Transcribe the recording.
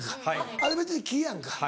あれ別に木やんか。